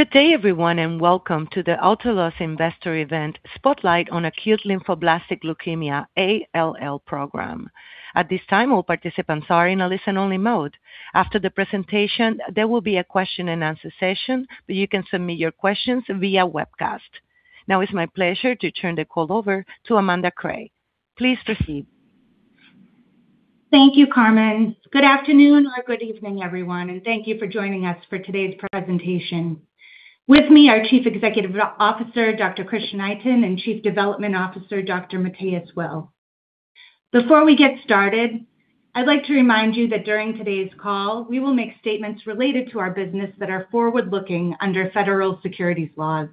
Good day everyone, and welcome to the Autolus Investor Event Spotlight on Acute Lymphoblastic Leukemia, ALL Program. At this time, all participants are in a listen-only mode. After the presentation, there will be a question and answer session, but you can submit your questions via webcast. Now it's my pleasure to turn the call over to Amanda Cray. Please proceed. Thank you, Carmen. Good afternoon or good evening, everyone, and thank you for joining us for today's presentation. With me, our Chief Executive Officer, Dr. Christian Itin, and Chief Development Officer, Dr. Matthias Will. Before we get started, I'd like to remind you that during today's call, we will make statements related to our business that are forward-looking under federal securities laws.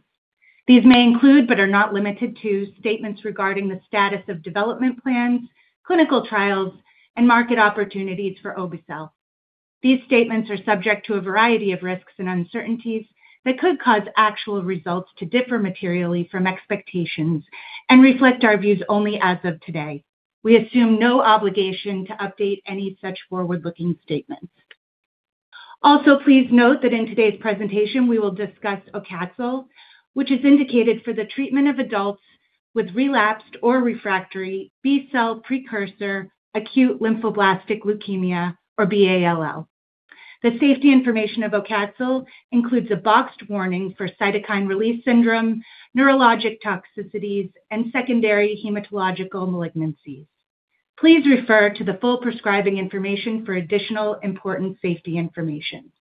These may include, but are not limited to, statements regarding the status of development plans, clinical trials, and market opportunities for obe-cel. These statements are subject to a variety of risks and uncertainties that could cause actual results to differ materially from expectations and reflect our views only as of today. We assume no obligation to update any such forward-looking statements. Please note that in today's presentation, we will discuss obe-cel, which is indicated for the treatment of adults with relapsed or refractory B-cell precursor acute lymphoblastic leukemia, or B-ALL. The safety information of obe-cel includes a boxed warning for cytokine release syndrome, neurologic toxicities, and secondary hematological malignancies. Please refer to the full prescribing information for additional important safety information.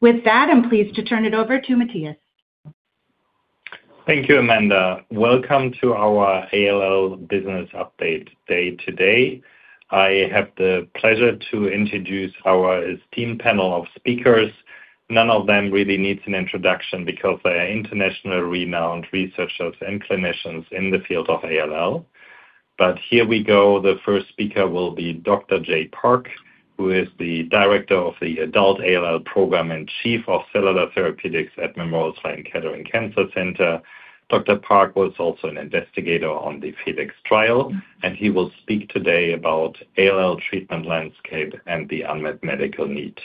With that, I'm pleased to turn it over to Matthias. Thank you, Amanda. Welcome to our ALL business update day. Today, I have the pleasure to introduce our esteemed panel of speakers. None of them really needs an introduction because they are internationally renowned researchers and clinicians in the field of ALL. Here we go. The first speaker will be Dr. Jae Park, who is the director of the Adult ALL Program and chief of cellular therapeutics at Memorial Sloan Kettering Cancer Center. Dr. Park was also an investigator on the FELIX trial, and he will speak today about ALL treatment landscape and the unmet medical need.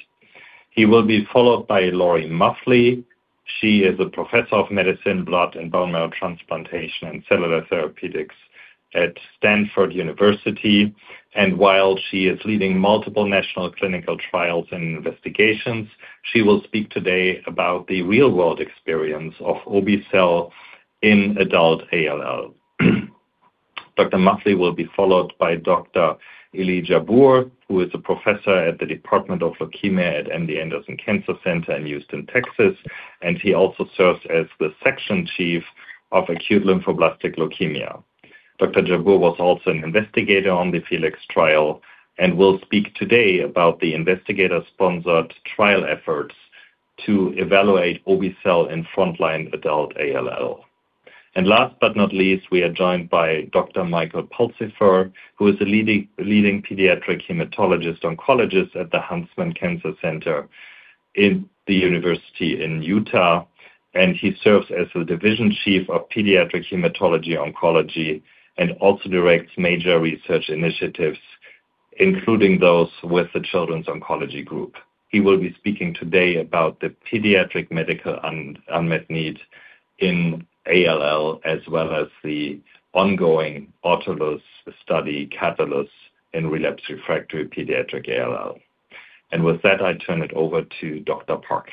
He will be followed by Lori Muffly. She is a professor of medicine, blood and bone marrow transplantation, and cellular therapeutics at Stanford University. While she is leading multiple national clinical trials and investigations, she will speak today about the real-world experience of obe-cel in adult ALL. Dr. Muffly will be followed by Dr. Eli Jabbour, who is a professor at the Department of Leukemia at MD Anderson Cancer Center in Houston, Texas, and he also serves as the section chief of acute lymphoblastic leukemia. Dr. Jabbour was also an investigator on the FELIX trial and will speak today about the investigator-sponsored trial efforts to evaluate obe-cel in frontline adult ALL. Last but not least, we are joined by Dr. Michael Pulsipher, who is the leading pediatric hematologist-oncologist at the Huntsman Cancer Institute at the University of Utah. He serves as the division chief of pediatric hematology-oncology and also directs major research initiatives, including those with the Children's Oncology Group. He will be speaking today about the pediatric medical unmet need in ALL, as well as the ongoing Autolus study, Catalyst, in relapsed/refractory pediatric ALL. With that, I turn it over to Dr. Park.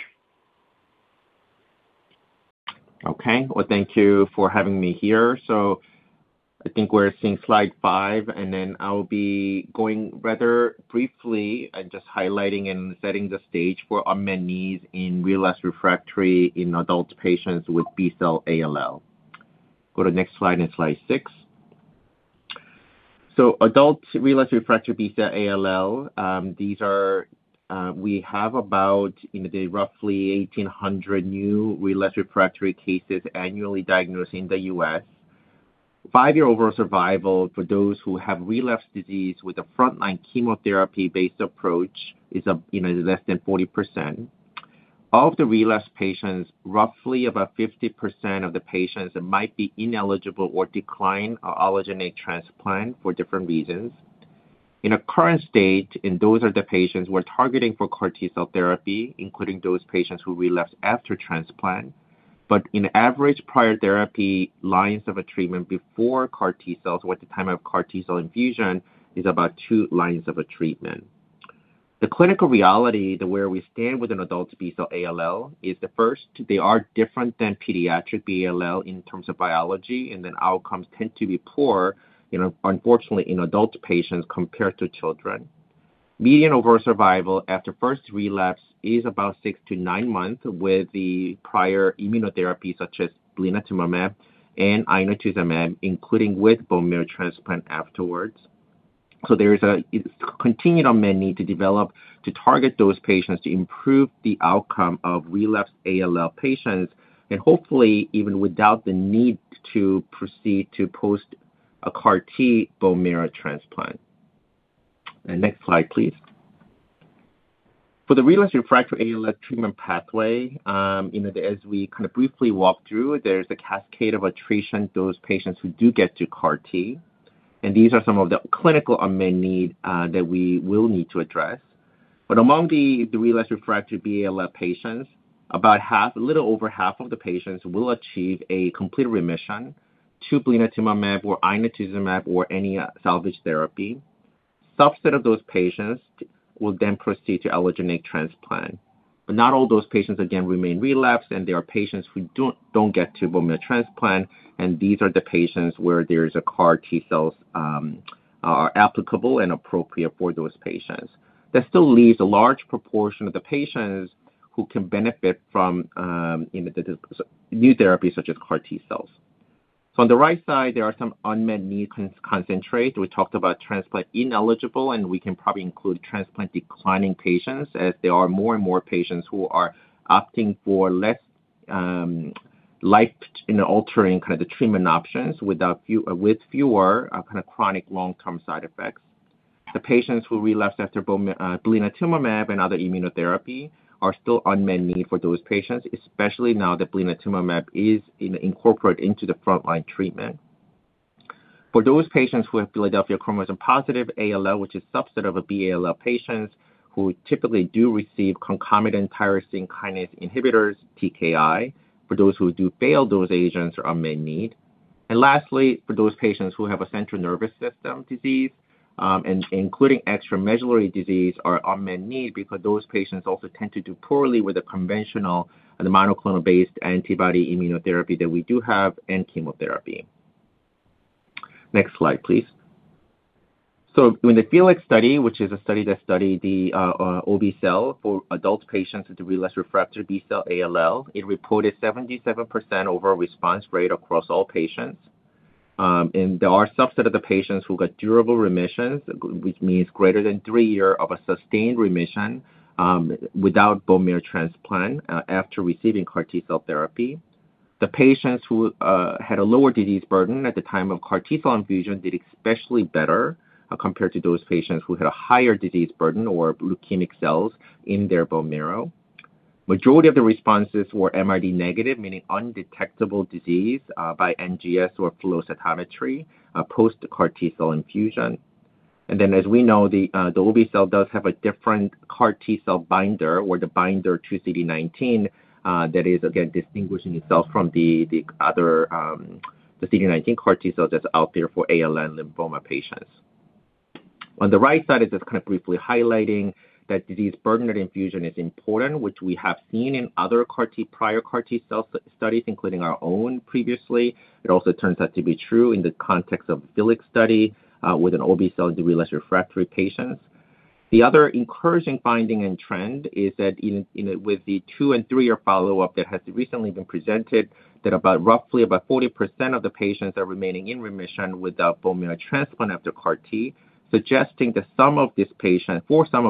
Okay. Well, thank you for having me here. I think we're seeing slide five, and then I'll be going rather briefly and just highlighting and setting the stage for unmet needs in relapsed/refractory in adult patients with B-cell ALL. Go to the next slide six. Adult relapsed/refractory B-cell ALL, we have about roughly 1,800 new relapsed/refractory cases annually diagnosed in the U.S. Five-year overall survival for those who have relapsed disease with a frontline chemotherapy-based approach is less than 40%. Of the relapsed patients, roughly about 50% of the patients might be ineligible or decline an allogeneic transplant for different reasons. In the current state, those are the patients we're targeting for CAR T-cell therapy, including those patients who relapsed after transplant. On average, prior lines of therapy before CAR T-cells or at the time of CAR T-cell infusion, is about two lines of therapy. The clinical reality, where we stand with an adult B-cell ALL is, first, they are different than pediatric B-ALL in terms of biology, and then outcomes tend to be poor, unfortunately, in adult patients compared to children. Median overall survival after first relapse is about 6-9 months with prior immunotherapy, such as blinatumomab and inotuzumab, including with bone marrow transplant afterwards. There is a continued unmet need to develop to target those patients to improve the outcome of relapsed ALL patients, and hopefully even without the need to proceed to post a CAR T bone marrow transplant. Next slide, please. For the relapsed/refractory ALL treatment pathway, as we kind of briefly walk through, there's a cascade of attrition, those patients who do get to CAR T. These are some of the clinical unmet need that we will need to address. Among the relapsed/refractory ALL patients, about a little over half of the patients will achieve a complete remission to blinatumomab or inotuzumab or any salvage therapy. Subset of those patients will then proceed to allogeneic transplant. Not all those patients, again, remain relapsed, and there are patients who don't get to bone marrow transplant, and these are the patients where there's a CAR T-cells are applicable and appropriate for those patients. That still leaves a large proportion of the patients who can benefit from new therapies such as CAR T-cells. On the right side, there are some unmet need concentrate. We talked about transplant-ineligible, and we can probably include transplant-declining patients, as there are more and more patients who are opting for less life-altering kind of treatment options with fewer kind of chronic long-term side effects. The patients who relapsed after blinatumomab and other immunotherapy are still an unmet need for those patients, especially now that blinatumomab is incorporated into the frontline treatment. For those patients who have Philadelphia chromosome-positive ALL, which is a subset of ALL patients who typically do receive concomitant tyrosine kinase inhibitors, TKI. For those who do fail those agents are an unmet need. Lastly, for those patients who have a central nervous system disease, including extramedullary disease, are an unmet need because those patients also tend to do poorly with the conventional and the monoclonal-based antibody immunotherapy that we do have and chemotherapy. Next slide, please. In the FELIX study, which is a study that study the obe-cel for adult patients with relapsed/refractory B-cell ALL, it reported 77% overall response rate across all patients. There are subset of the patients who got durable remissions, which means greater than three year of a sustained remission, without bone marrow transplant after receiving CAR T-cell therapy. The patients who had a lower disease burden at the time of CAR T-cell infusion did especially better compared to those patients who had a higher disease burden or leukemic cells in their bone marrow. Majority of the responses were MRD negative, meaning undetectable disease by NGS or flow cytometry post the CAR T-cell infusion. As we know, the obe-cel does have a different CAR T-cell binder or the binder to CD19, that is again distinguishing itself from the other, the CD19 CAR T-cell that's out there for ALL and lymphoma patients. On the right side is just kind of briefly highlighting that disease burden at infusion is important, which we have seen in other prior CAR T-cell studies, including our own previously. It also turns out to be true in the context of FELIX study with an obe-cel relapsed/refractory patients. The other encouraging finding and trend is that with the two and three year follow-up that has recently been presented, that roughly 40% of the patients are remaining in remission without bone marrow transplant after CAR T, suggesting for some of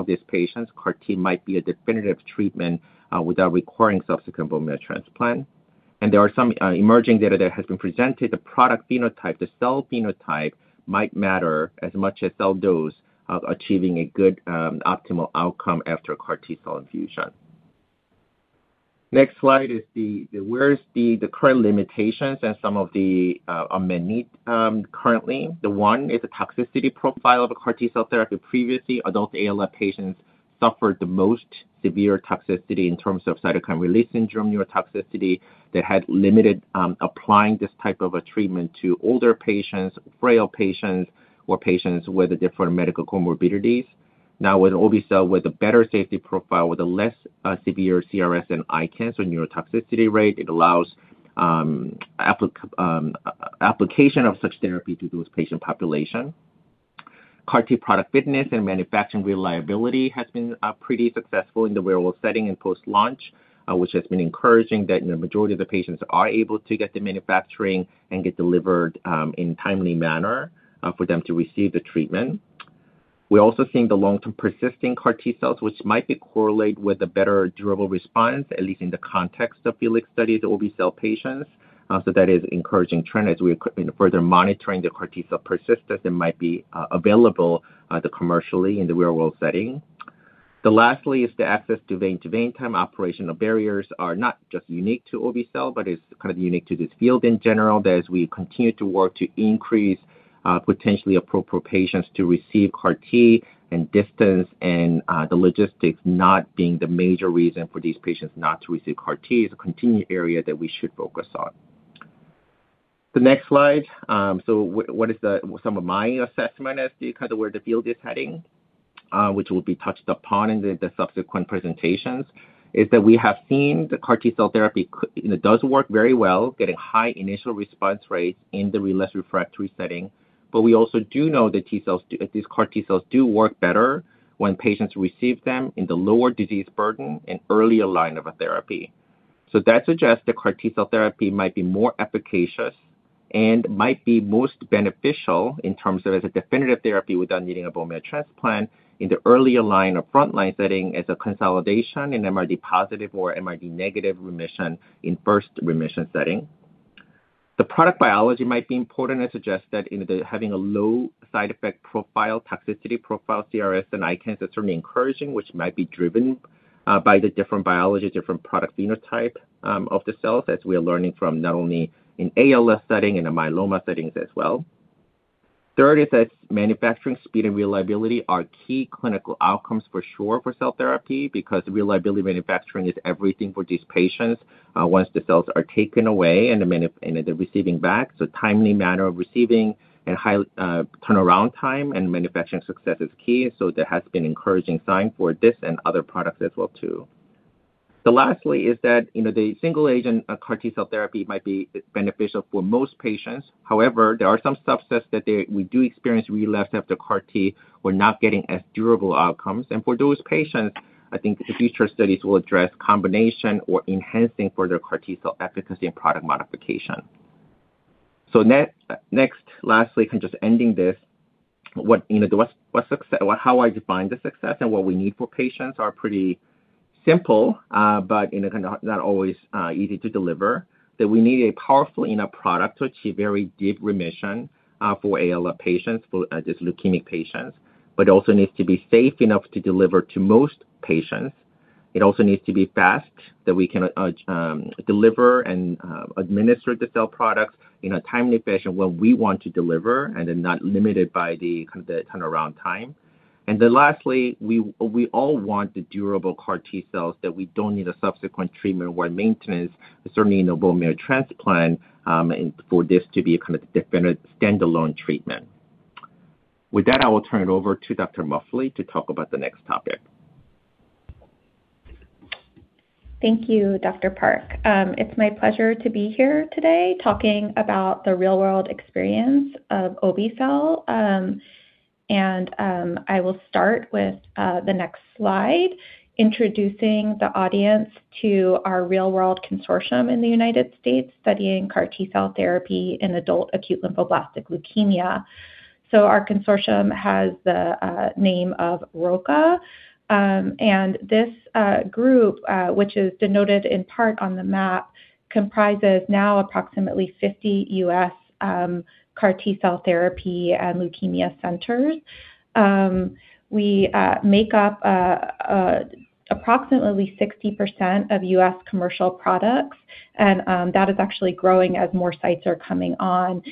these patients, CAR T might be a definitive treatment without requiring subsequent bone marrow transplant. There are some emerging data that has been presented. The product phenotype, the cell phenotype might matter as much as cell dose of achieving a good, optimal outcome after a CAR T-cell infusion. Next slide is where is the current limitations and some of the unmet need currently. The one is a toxicity profile of a CAR T-cell therapy. Previously, adult ALL patients suffered the most severe toxicity in terms of cytokine release syndrome neurotoxicity that had limited applying this type of a treatment to older patients, frail patients, or patients with different medical comorbidities. Now with obe-cel, with a better safety profile, with a less severe CRS and ICANS or neurotoxicity rate, it allows application of such therapy to those patient population. CAR T product fitness and manufacturing reliability has been pretty successful in the real-world setting and post-launch, which has been encouraging that the majority of the patients are able to get the manufacturing and get delivered in timely manner for them to receive the treatment. We're also seeing the long-term persisting CAR T-cells, which might correlate with a better durable response, at least in the context of FELIX study, the obe-cel patients. That is encouraging trend as we're further monitoring the CAR T-cell persistence that might be available commercially in the real-world setting. Lastly is the vein-to-vein time. Operational barriers are not just unique to obe-cel, but is kind of unique to this field in general. That, as we continue to work to increase potentially appropriate patients to receive CAR T and distance and the logistics not being the major reason for these patients not to receive CAR T, is a continued area that we should focus on. The next slide. What is some of my assessment as to kind of where the field is heading, which will be touched upon in the subsequent presentations, is that we have seen the CAR T-cell therapy does work very well, getting high initial response rates in the relapsed/refractory setting, but we also do know that these CAR T-cells do work better when patients receive them in the lower disease burden and earlier line of a therapy. That suggests that CAR T-cell therapy might be more efficacious and might be most beneficial in terms of as a definitive therapy without needing a bone marrow transplant in the earlier line of frontline setting as a consolidation in MRD positive or MRD negative remission in first remission setting. The product biology might be important and suggest that in the having a low side effect profile, toxicity profile, CRS and ICANS is certainly encouraging, which might be driven by the different biology, different product phenotype of the cells, as we are learning from not only in ALL setting, in the myeloma settings as well. Third is that manufacturing speed and reliability are key clinical outcomes for sure for cell therapy, because reliability in manufacturing is everything for these patients once the cells are taken away and they're receiving back. Timely manner of receiving and high turnaround time and manufacturing success is key. There has been encouraging sign for this and other products as well too. The lastly is that, the single agent CAR T-cell therapy might be beneficial for most patients. However, there are some subsets that we do experience relapse after CAR T. We're not getting as durable outcomes. For those patients, I think the future studies will address combination or enhancing further CAR T-cell efficacy and product modification. Next, lastly, kind of just ending this, how I define the success and what we need for patients are pretty simple, but not always easy to deliver. That we need a powerful enough product to achieve very deep remission for ALL patients, for this leukemic patients, but also needs to be safe enough to deliver to most patients. It also needs to be fast that we can deliver and administer the cell products in a timely fashion when we want to deliver and then not limited by the kind of the turnaround time. Then lastly, we all want the durable CAR T-cells that we don't need a subsequent treatment or maintenance, certainly no bone marrow transplant, and for this to be a kind of definitive standalone treatment. With that, I will turn it over to Dr. Muffly to talk about the next topic. Thank you, Dr. Park. It's my pleasure to be here today talking about the real world experience of obe-cel. I will start with the next slide, introducing the audience to our real world consortium in the United States studying CAR T-cell therapy in adult acute lymphoblastic leukemia. Our consortium has the name of ROKA. This group, which is denoted in part on the map, comprises now approximately 50 U.S. CAR T-cell therapy and leukemia centers. We make up approximately 60% of U.S. commercial products, and that is actually growing as more sites are coming on.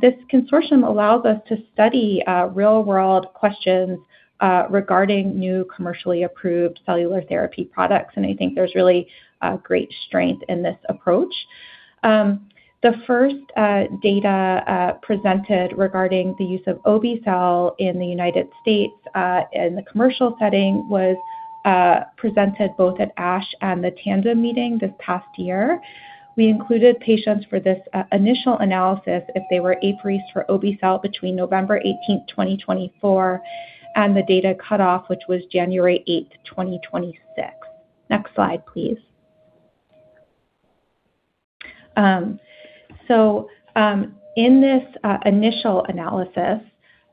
This consortium allows us to study real world questions regarding new commercially approved cellular therapy products. I think there's really a great strength in this approach. The first data presented regarding the use of obe-cel in the United States, in the commercial setting, was presented both at ASH and the TANDEM meeting this past year. We included patients for this initial analysis if they were apheresis for obe-cel between November 18th, 2024, and the data cutoff, which was January 8th, 2026. Next slide, please. In this initial analysis,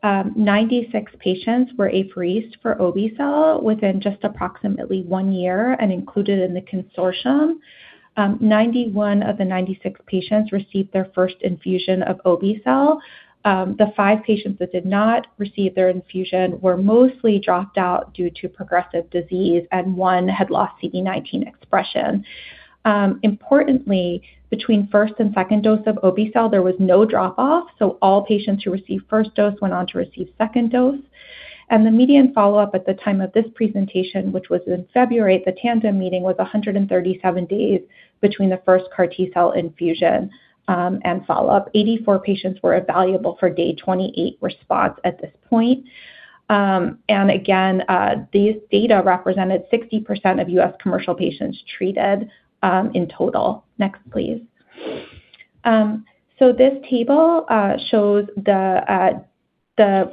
96 patients were apheresis for obe-cel within just approximately one year and included in the consortium. 91 of the 96 patients received their first infusion of obe-cel. The five patients that did not receive their infusion were mostly dropped out due to progressive disease, and one had lost CD19 expression. Importantly, between first and second dose of obe-cel, there was no drop off, so all patients who received first dose went on to receive second dose. The median follow-up at the time of this presentation, which was in February at the TANDEM meeting, was 137 days between the first CAR T-cell infusion and follow-up. 84 patients were evaluable for day 28 response at this point. Again, these data represented 60% of U.S. commercial patients treated in total. Next, please. This table shows the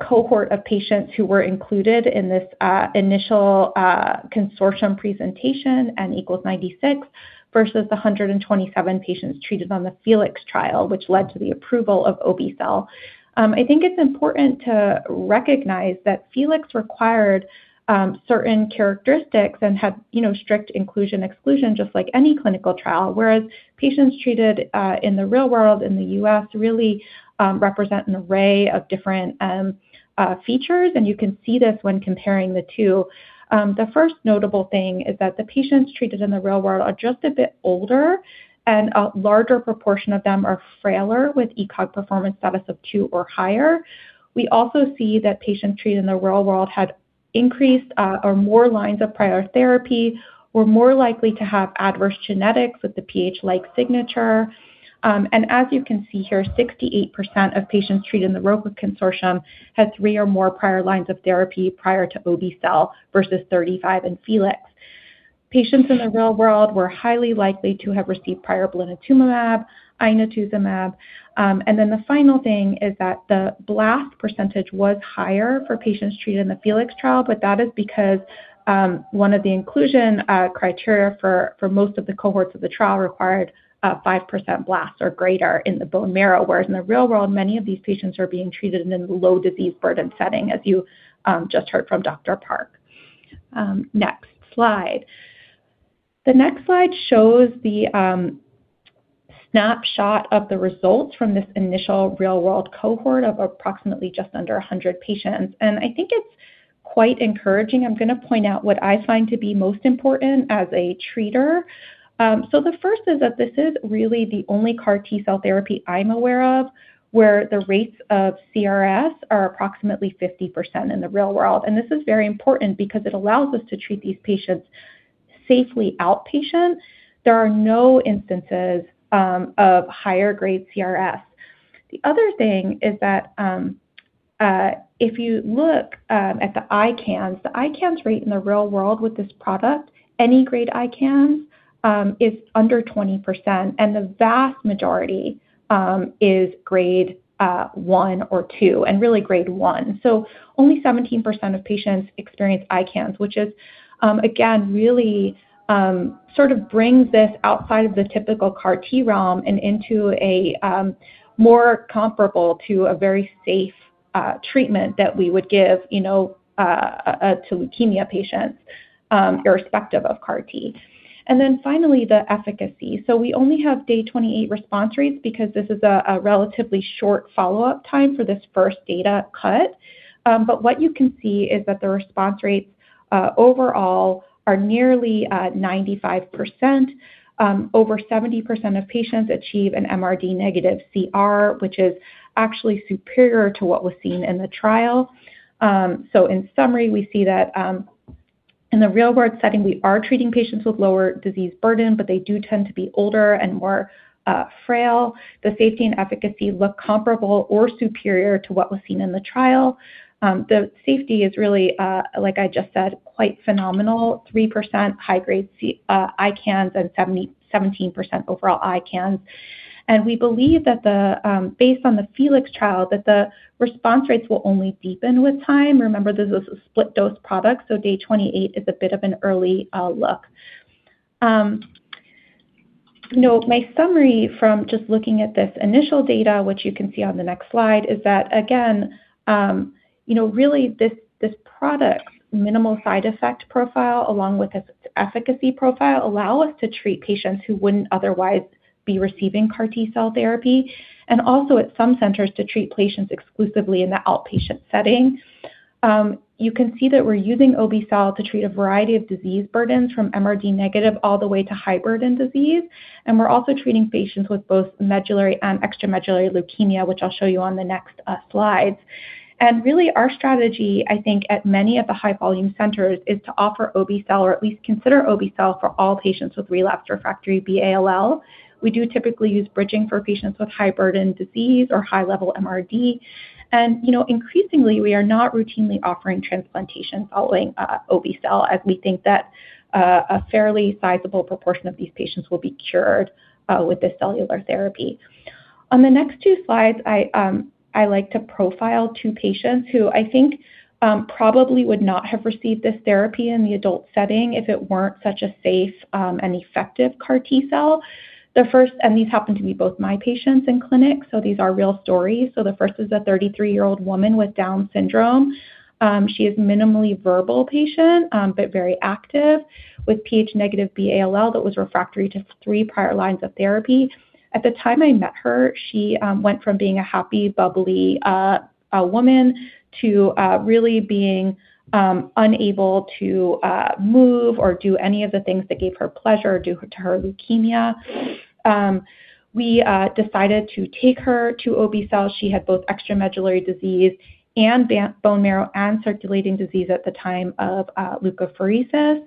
cohort of patients who were included in this initial consortium presentation, n equals 96, versus the 127 patients treated on the FELIX trial, which led to the approval of obe-cel. I think it's important to recognize that FELIX required certain characteristics and had strict inclusion, exclusion, just like any clinical trial. Whereas patients treated in the real world in the U.S. really represent an array of different features, and you can see this when comparing the two. The first notable thing is that the patients treated in the real world are just a bit older and a larger proportion of them are frailer with ECOG performance status of two or higher. We also see that patients treated in the real world had increased or more lines of prior therapy, were more likely to have adverse genetics with the PH-like signature. As you can see here, 68% of patients treated in the ROKA consortium had three or more prior lines of therapy prior to obe-cel versus 35% in FELIX. Patients in the real world were highly likely to have received prior blinatumomab, inotuzumab. Then the final thing is that the blast percentage was higher for patients treated in the FELIX trial, but that is because one of the inclusion criteria for most of the cohorts of the trial required 5% blasts or greater in the bone marrow. Whereas in the real world, many of these patients are being treated in a low disease burden setting, as you just heard from Dr. Park. Next slide. The next slide shows the snapshot of the results from this initial real world cohort of approximately just under 100 patients. I think it's quite encouraging. I'm going to point out what I find to be most important as a treater. The first is that this is really the only CAR T-cell therapy I'm aware of, where the rates of CRS are approximately 50% in the real world. This is very important because it allows us to treat these patients safely outpatient. There are no instances of higher grade CRS. The other thing is that if you look at the ICANS, the ICANS rate in the real world with this product, any grade ICANS, is under 20%. The vast majority is grade one or two, and really grade one. Only 17% of patients experience ICANS, which again, really sort of brings this outside of the typical CAR T realm and into a more comparable to a very safe treatment that we would give to leukemia patients, irrespective of CAR T. Finally, the efficacy. We only have day 28 response rates because this is a relatively short follow-up time for this first data cut. What you can see is that the response rates overall are nearly 95%. Over 70% of patients achieve an MRD negative CR, which is actually superior to what was seen in the trial. In summary, we see that in the real-world setting, we are treating patients with lower disease burden, but they do tend to be older and more frail. The safety and efficacy look comparable or superior to what was seen in the trial. The safety is really, like I just said, quite phenomenal, 3% high-grade ICANS and 17% overall ICANS. We believe that based on the FELIX trial, that the response rates will only deepen with time. Remember, this is a split-dose product, so day 28 is a bit of an early look. My summary from just looking at this initial data, which you can see on the next slide, is that again, really this product's minimal side effect profile, along with its efficacy profile, allow us to treat patients who wouldn't otherwise be receiving CAR T-cell therapy, and also at some centers, to treat patients exclusively in the outpatient setting. You can see that we're using obe-cel to treat a variety of disease burdens, from MRD-negative all the way to high-burden disease. We're also treating patients with both medullary and extramedullary leukemia, which I'll show you on the next slides. Really, our strategy, I think, at many of the high volume centers, is to offer obe-cel, or at least consider obe-cel for all patients with relapsed/refractory B-ALL. We do typically use bridging for patients with high-burden disease or high-level MRD. Increasingly, we are not routinely offering transplantation following obe-cel, as we think that a fairly sizable proportion of these patients will be cured with this cellular therapy. On the next two slides, I like to profile two patients who I think probably would not have received this therapy in the adult setting if it weren't such a safe and effective CAR T-cell. These happen to be both my patients in clinic, so these are real stories. The first is a 33 year-old woman with Down syndrome. She is a minimally verbal patient, but very active with Ph-negative B-ALL that was refractory to three prior lines of therapy. At the time I met her, she went from being a happy, bubbly woman to really being unable to move or do any of the things that gave her pleasure due to her leukemia. We decided to take her to obe-cel. She had both extramedullary disease and bone marrow and circulating disease at the time of leukapheresis.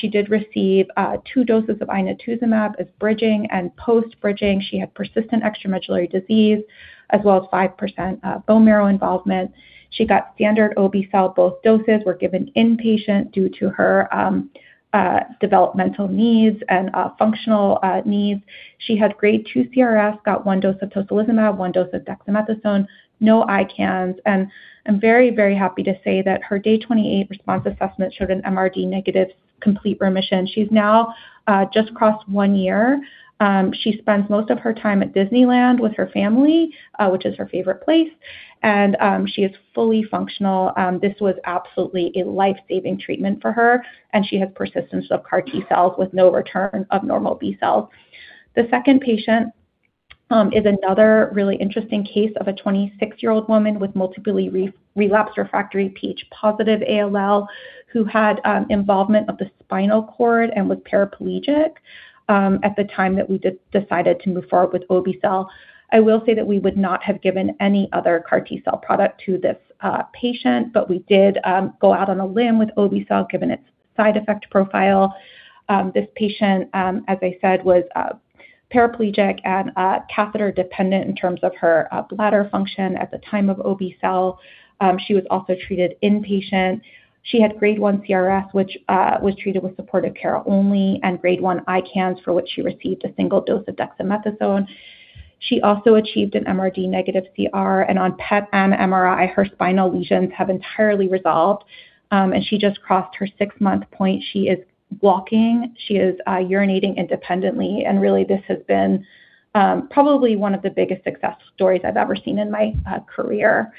She did receive two doses of inotuzumab as bridging and post-bridging. She had persistent extramedullary disease, as well as 5% bone marrow involvement. She got standard obe-cel. Both doses were given inpatient due to her developmental needs and functional needs. She had grade 2 CRS, got one dose of tocilizumab, one dose of dexamethasone, no ICANS. I'm very, very happy to say that her day 28 response assessment showed an MRD-negative complete remission. She's now just crossed one year. She spends most of her time at Disneyland with her family, which is her favorite place, and she is fully functional. This was absolutely a life-saving treatment for her, and she has persistence of CAR T-cells with no return of normal B-cells. The second patient is another really interesting case of a 26 year-old woman with multiple relapse/refractory Ph-positive ALL, who had involvement of the spinal cord and was paraplegic at the time that we decided to move forward with obe-cel. I will say that we would not have given any other CAR T-cell product to this patient, but we did go out on a limb with obe-cel, given its side effect profile. This patient, as I said, was paraplegic and catheter-dependent in terms of her bladder function. At the time of obe-cel, she was also treated inpatient. She had grade 1 CRS, which was treated with supportive care only, and grade 1 ICANS, for which she received a single dose of dexamethasone. She also achieved an MRD negative CR, and on PET and MRI, her spinal lesions have entirely resolved. She just crossed her six month point. She is walking, she is urinating independently, and really, this has been probably one of the biggest success stories I've ever seen in my career.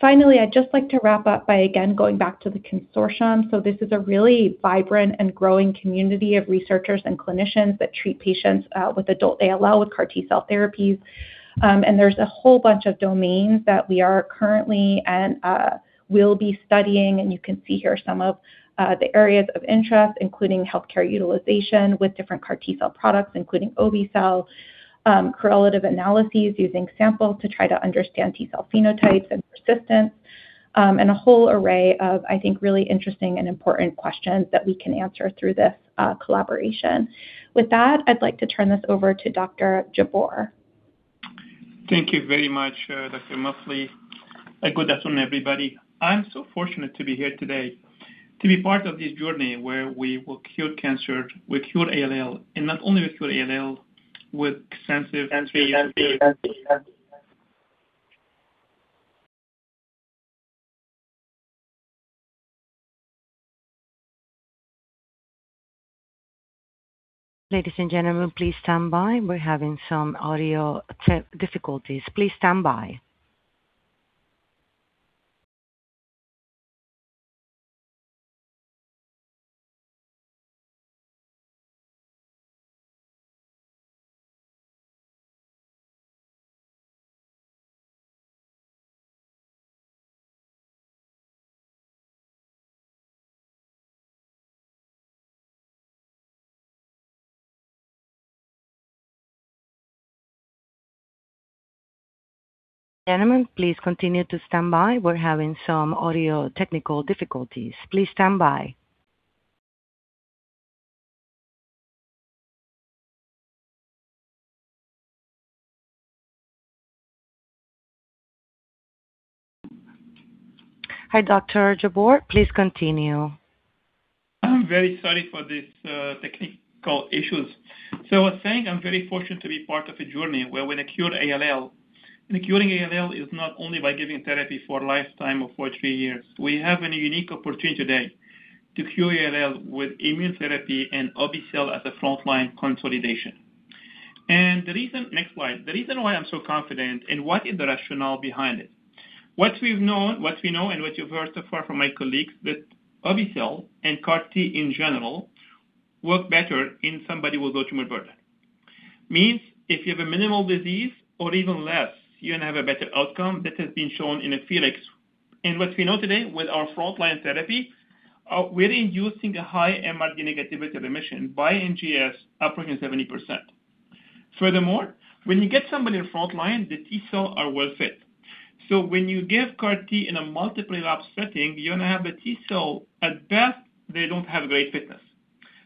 Finally, I'd just like to wrap up by, again, going back to the consortium. This is a really vibrant and growing community of researchers and clinicians that treat patients with adult ALL with CAR T-cell therapies. There's a whole bunch of domains that we are currently and will be studying. You can see here some of the areas of interest, including healthcare utilization with different CAR T-cell products, including obe-cel, correlative analyses using samples to try to understand T-cell phenotypes and persistence, and a whole array of, I think, really interesting and important questions that we can answer through this collaboration. With that, I'd like to turn this over to Dr. Jabbour. Thank you very much, Dr. Muffly. Good afternoon, everybody. I'm so fortunate to be here today to be part of this journey where we will cure cancer, we cure ALL, and not only we cure ALL, with sensitive. Ladies and gentlemen, please stand by. We're having some audio difficulties. Please stand by. Gentlemen, please continue to stand by. We're having some audio technical difficulties. Please stand by. Hi, Dr. Jabbour. Please continue. I'm very sorry for these technical issues. I was saying I'm very fortunate to be part of a journey where we cure ALL. Curing ALL is not only by giving therapy for the lifetime of four or three years. We have a unique opportunity today to cure ALL with immune therapy and obe-cel as a frontline consolidation. The reason. Next slide. The reason why I'm so confident and what is the rationale behind it. What we know and what you've heard so far from my colleagues, that obe-cel and CAR T in general, work better in somebody with tumor burden. Means if you have a minimal disease or even less, you're going to have a better outcome. That has been shown in the FELIX. What we know today with our frontline therapy, we're inducing a high MRD negativity remission by NGS approaching 70%. Furthermore, when you get somebody in frontline, the T-cells are well fit. When you give CAR T in a multiple-relapse setting, you're going to have a T-cell, at best, they don't have great fitness.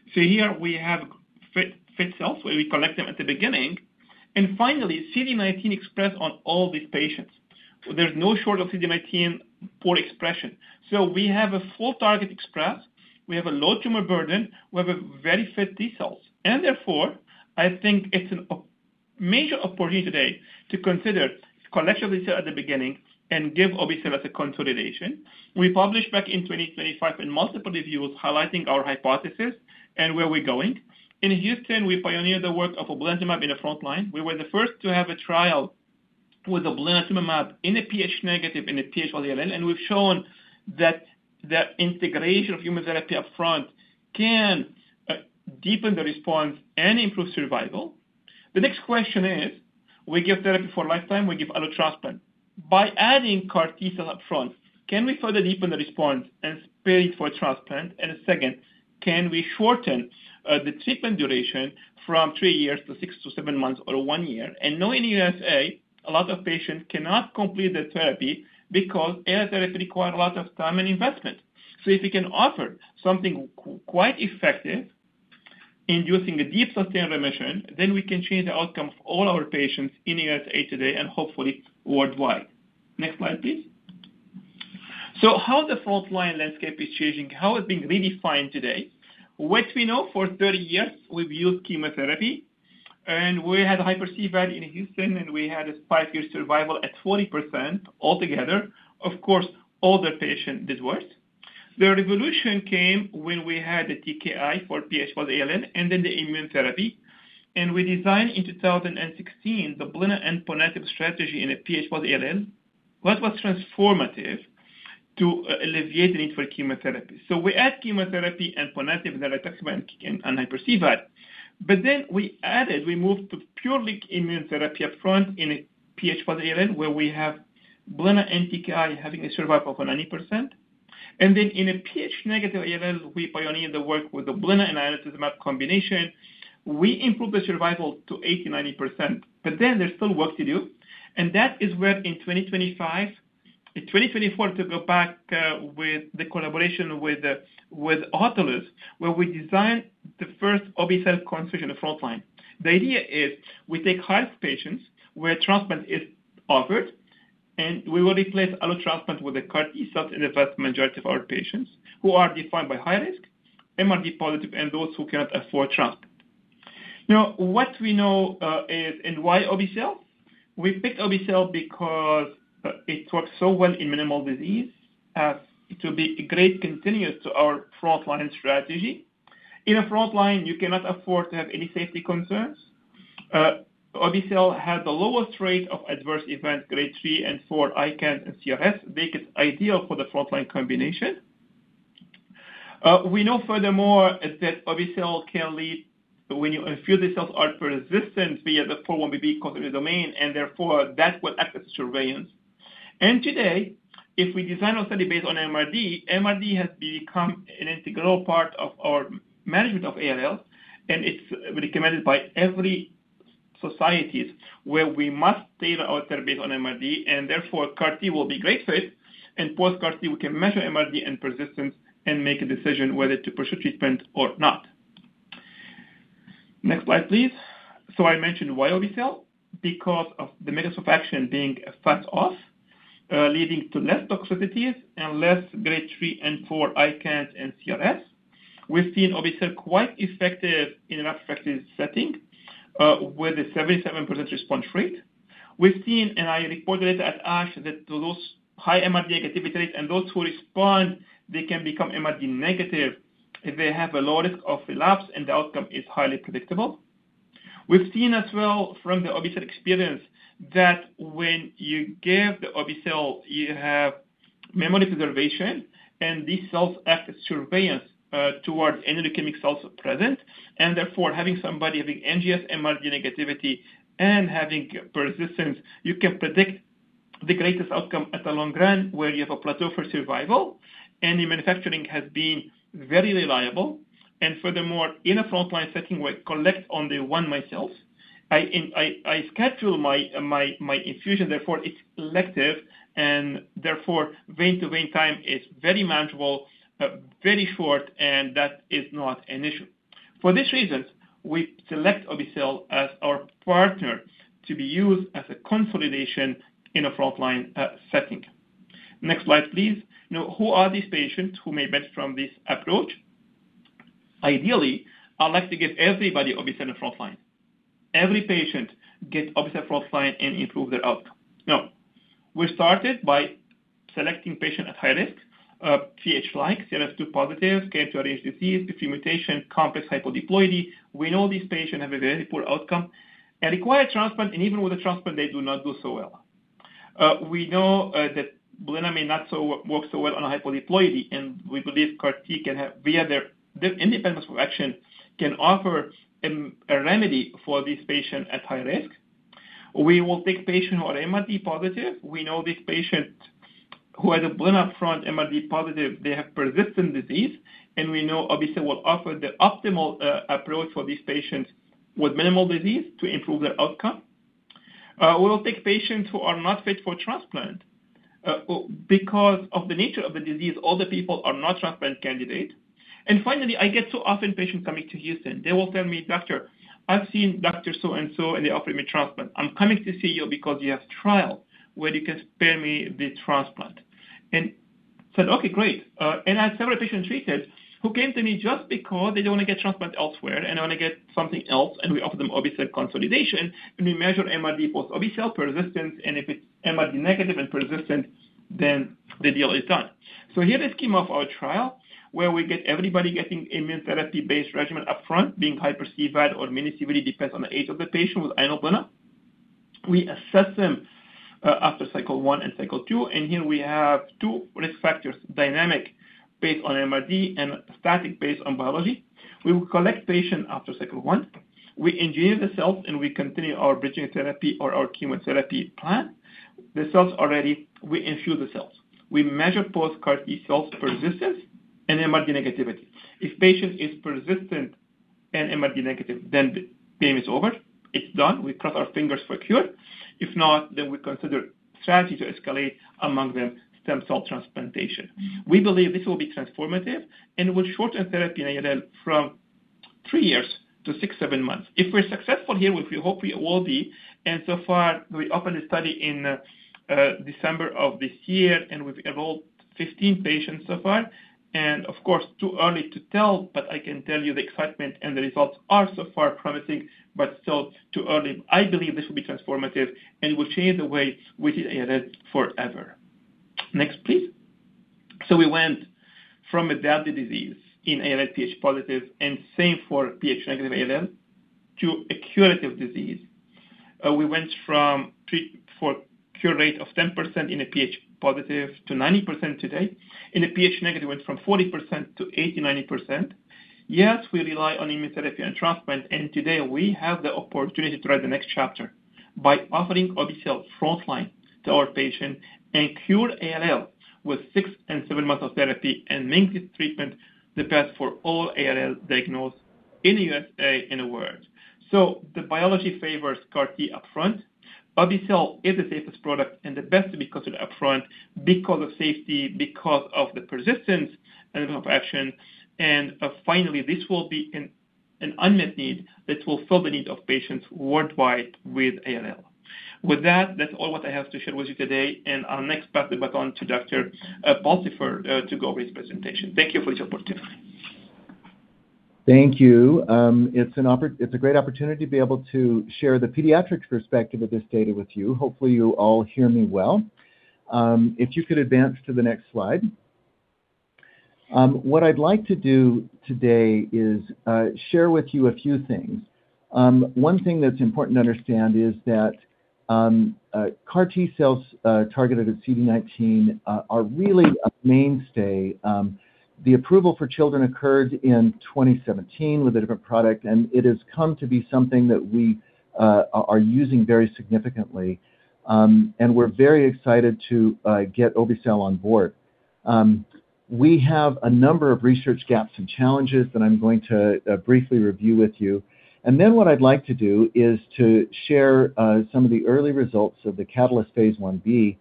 Here we have fit cells, where we collect them at the beginning, and finally, CD19 expressed on all these patients. There's no shortage of CD19 expression. We have a full target expressed, we have a low tumor burden, we have a very fit T-cells, and therefore, I think it's a major opportunity today to consider collection of the cell at the beginning and give obe-cel as a consolidation. We published back in 2025 in multiple reviews highlighting our hypothesis and where we're going. In Houston, we pioneered the work of blinatumomab in a frontline. We were the first to have a trial with blinatumomab in a Ph-negative, in a Ph ALL, and we've shown that integration of human therapy upfront can deepen the response and improve survival. The next question is, we give therapy for lifetime, we give allo transplant. By adding CAR T-cell upfront, can we further deepen the response and spare it for transplant? Second, can we shorten the treatment duration from three years to 6-7 months or one year? Now in USA, a lot of patients cannot complete the therapy because allo therapy require a lot of time and investment. If we can offer something quite effective in using a deep sustained remission, then we can change the outcome of all our patients in USA today and hopefully worldwide. Next slide, please. How the frontline landscape is changing, how it's being redefined today. What we know for 30 years, we've used chemotherapy, and we had a hyper-CVAD in Houston, and we had a five year survival at 40% altogether. Of course, older patient did worse. The revolution came when we had the TKI for Ph-positive ALL, and then the immune therapy. We designed in 2016 the blinatumomab strategy in a Ph-positive ALL. That was transformative to alleviate the need for chemotherapy. We add chemotherapy and blinatumomab in hyper-CVAD. We added, we moved to purely immune therapy upfront in a Ph-positive ALL, where we have blinatumomab and TKI having a survival of 90%. In a Ph-negative ALL, we pioneered the work with the blinatumomab and inotuzumab combination. We improved the survival to 80%-90%. There's still work to do, and that is where in 2025... In 2024, to go back with the collaboration with Autolus, where we designed the first obe-cel configuration of frontline. The idea is we take high-risk patients where transplant is offered, and we will replace allo transplant with a CAR T-cell in the vast majority of our patients who are defined by high risk, MRD positive, and those who cannot afford transplant. Now, what we know is and why obe-cel? We picked obe-cel because it works so well in minimal disease. It will be a great continue to our frontline strategy. In a frontline, you cannot afford to have any safety concerns. obe-cel had the lowest rate of adverse events grade 3 and 4 ICANS and CRS, make it ideal for the frontline combination. We know furthermore that obe-cel can lead when you infuse the cells are persistent via the 4-1BB cognitive domain, and therefore that's what acts as surveillance. Today, if we design our study based on MRD has become an integral part of our management of ALL, and it's recommended by every societies where we must tailor our therapy on MRD, and therefore CAR T will be great for it, and post-CAR T, we can measure MRD and persistence and make a decision whether to pursue treatment or not. Next slide, please. I mentioned why obe-cel. Because of the mechanism of action being a fast-off, leading to less toxicities and less grade 3 and 4 ICANS and CRS. We've seen obe-cel quite effective in an unaffected setting, with a 77% response rate. We've seen, and I reported it at ASH, that those high MRD negativity and those who respond, they can become MRD negative if they have a low risk of relapse and the outcome is highly predictable. We've seen as well from the obe-cel experience that when you give the obe-cel, you have memory preservation, and these cells act as surveillance towards any leukemic cells present, and therefore, having somebody NGS MRD negativity and having persistence, you can predict the greatest outcome in the long run, where you have a plateau for survival, and the manufacturing has been very reliable. Furthermore, in a frontline setting where we collect only one time cells, I schedule my infusion, therefore it's elective, and therefore vein-to-vein time is very manageable, very short, and that is not an issue. For these reasons, we select obe-cel as our partner to be used as a consolidation in a frontline setting. Next slide, please. Now, who are these patients who may benefit from this approach? Ideally, I'd like to give everybody obe-cel in frontline. Every patient get obe-cel frontline and improve their outcome. Now, we started by selecting patients at high risk, Ph-like, CLS2 positive, K to RHD, P50 mutation, complex hypodiploidy. We know these patients have a very poor outcome and require transplant, and even with a transplant, they do not do so well. We know that blinatumomab may not work so well on a hypodiploidy, and we believe CAR T can via their independence of action, can offer a remedy for these patients at high risk. We will take patients who are MRD positive. We know these patients who had a blinatumomab upfront MRD positive, they have persistent disease, and we know obe-cel will offer the optimal approach for these patients with minimal disease to improve their outcome. We will take patients who are not fit for transplant. Because of the nature of the disease, all the people are not transplant candidate. Finally, I get so often patients coming to Houston. They will tell me, "Doctor, I've seen Dr. So-and-So and they offered me transplant. I'm coming to see you because you have trial where you can spare me the transplant." I said, "Okay, great." I have several patients treated who came to me just because they don't want to get transplant elsewhere, and they want to get something else, and we offer them obe-cel consolidation, and we measure MRD post obe-cel persistence, and if it's MRD negative and persistent, then the deal is done. Here the scheme of our trial, where we get everybody getting immunotherapy-based regimen upfront, being hyper-CVAD or mini-CVAD, depends on the age of the patient with inotuzumab and blinatumomab. We assess them after cycle one and cycle two, and here we have two risk factors, dynamic based on MRD and static based on biology. We will collect patient after cycle one. We engineer the cells, and we continue our bridging therapy or our chemotherapy plan. The cells already, we infuse the cells. We measure post-CAR T-cell persistence and MRD negativity. If patient is persistent and MRD negative, then the game is over. It's done. We cross our fingers for cure. If not, then we consider strategy to escalate, among them stem cell transplantation. We believe this will be transformative and will shorten therapy in ALL from three years to 6-7 months. If we're successful here, which we hope we will be, and so far, we opened the study in December of this year, and we've enrolled 15 patients so far. Of course, too early to tell, but I can tell you the excitement and the results are so far promising, but still too early. I believe this will be transformative and will change the way we treat ALL forever. Next, please. We went from a deadly disease in ALL Ph-positive and same for Ph-negative ALL, to a curative disease. We went from cure rate of 10% in a Ph-positive to 90% today. In a Ph-negative, went from 40%-80%, 90%. Yes, we rely on immunotherapy and transplant, and today we have the opportunity to write the next chapter by offering obe-cel frontline to our patient and cure ALL with six and seven months of therapy and make this treatment the best for all ALL diagnosed in USA, in the world. The biology favors CAR T upfront. obe-cel is the safest product and the best because of the upfront, because of safety, because of the persistence and mechanism of action. Finally, this will be an unmet need that will fill the need of patients worldwide with ALL. With that's all what I have to share with you today. I'll next pass the baton to Dr. Michael Pulsipher to go with his presentation. Thank you for your support today. Thank you. It's a great opportunity to be able to share the pediatrics perspective of this data with you. Hopefully, you all hear me well. If you could advance to the next slide. What I'd like to do today is share with you a few things. One thing that's important to understand is that CAR T-cells targeted at CD19 are really a mainstay. The approval for children occurred in 2017 with a different product, and it has come to be something that we are using very significantly. We're very excited to get obe-cel on board. We have a number of research gaps and challenges that I'm going to briefly review with you. What I'd like to do is to share some of the early results of the Catalyst phase Ib,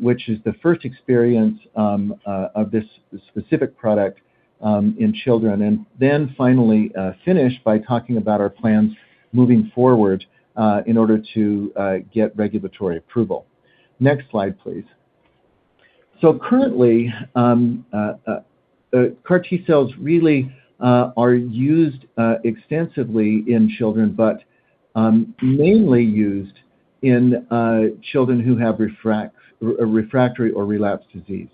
which is the first experience of this specific product in children, and then finally finish by talking about our plans moving forward in order to get regulatory approval. Next slide, please. Currently, CAR T-cells really are used extensively in children, but mainly used in children who have refractory or relapsed disease.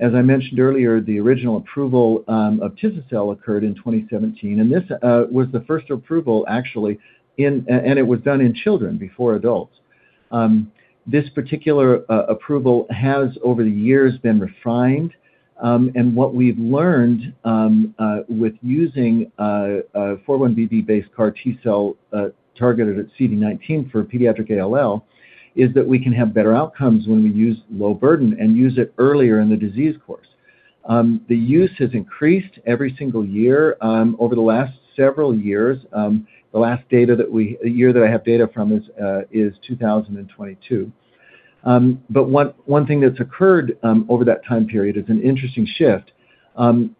As I mentioned earlier, the original approval of tisagenlecleucel occurred in 2017, and this was the first approval, actually, and it was done in children before adults. This particular approval has, over the years, been refined. What we've learned with using a 4-1BB based CAR T-cell targeted at CD19 for pediatric ALL is that we can have better outcomes when we use low burden and use it earlier in the disease course. The use has increased every single year over the last several years. The year that I have data from is 2022. One thing that's occurred over that time period is an interesting shift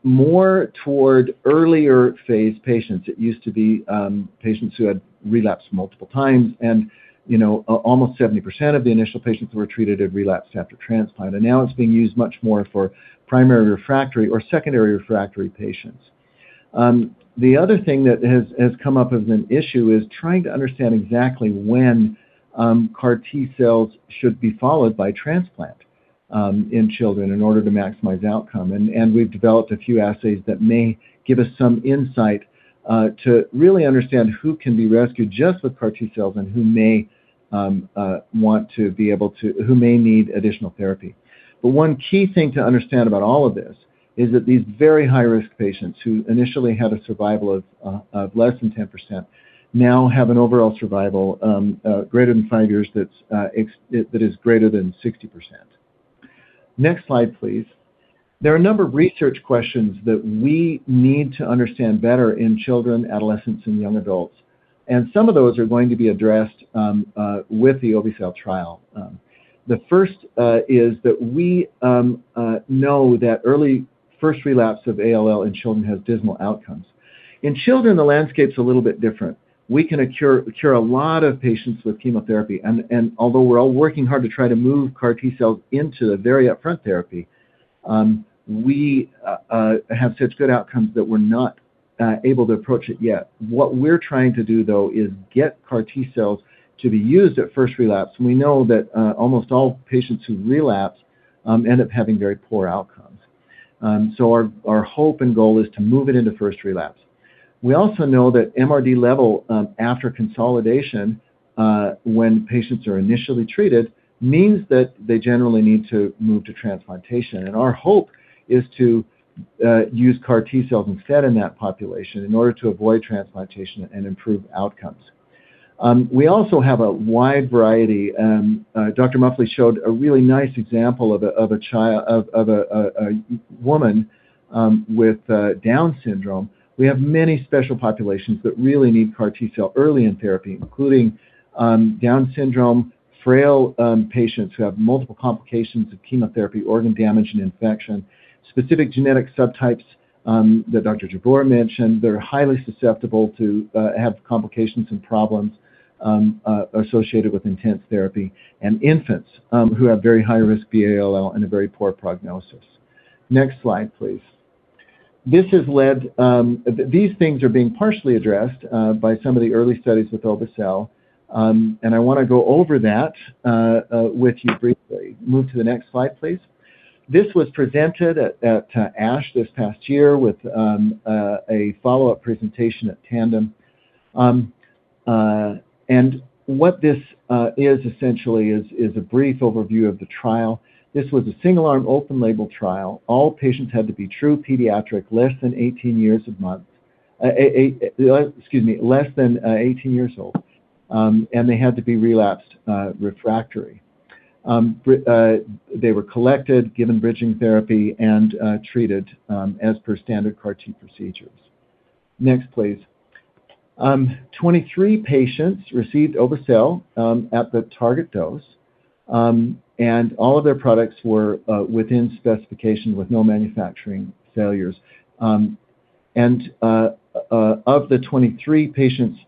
more toward earlier phase patients. It used to be patients who had relapsed multiple times, and almost 70% of the initial patients who were treated had relapsed after transplant. Now it's being used much more for primary refractory or secondary refractory patients. The other thing that has come up as an issue is trying to understand exactly when CAR T-cells should be followed by transplant in children in order to maximize outcome. We've developed a few assays that may give us some insight to really understand who can be rescued just with CAR T-cells and who may need additional therapy. One key thing to understand about all of this is that these very high-risk patients who initially had a survival of less than 10% now have an overall survival greater than five years that is greater than 60%. Next slide, please. There are a number of research questions that we need to understand better in children, adolescents, and young adults. Some of those are going to be addressed with the obe-cel trial. The first is that we know that early first relapse of ALL in children has dismal outcomes. In children, the landscape's a little bit different. We can cure a lot of patients with chemotherapy. Although we're all working hard to try to move CAR T-cells into the very upfront therapy, we have such good outcomes that we're not able to approach it yet. What we're trying to do, though, is get CAR T-cells to be used at first relapse. We know that almost all patients who relapse end up having very poor outcomes. Our hope and goal is to move it into first relapse. We also know that MRD level after consolidation when patients are initially treated means that they generally need to move to transplantation. Our hope is to use CAR T-cells instead in that population in order to avoid transplantation and improve outcomes. We also have a wide variety. Dr. Muffly showed a really nice example of a woman with Down syndrome. We have many special populations that really need CAR T-cell early in therapy, including Down syndrome, frail patients who have multiple complications of chemotherapy, organ damage, and infection, specific genetic subtypes that Dr. Jabbour mentioned that are highly susceptible to have complications and problems associated with intense therapy, and infants who have very high-risk B-ALL and a very poor prognosis. Next slide, please. These things are being partially addressed by some of the early studies with obe-cel, and I want to go over that with you briefly. Move to the next slide, please. This was presented at ASH this past year with a follow-up presentation at Tandem. What this is essentially is a brief overview of the trial. This was a single-arm, open-label trial. All patients had to be true pediatric, less than 18 years old. They had to be relapsed refractory. They were collected, given bridging therapy, and treated as per standard CAR T procedures. Next, please. 23 patients received obe-cel at the target dose, and all of their products were within specifications with no manufacturing failures. Of the 23 patients